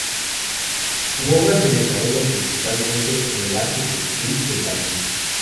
Su obra es desarrollada principalmente en el arte textil y el tapiz.